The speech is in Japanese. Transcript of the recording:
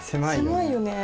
狭いよね。